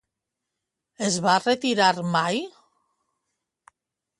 Es va retirar mai?